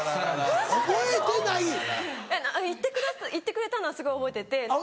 あっ行ってくれたのはすごい覚えてて。